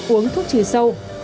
uống thuốc trừ sâu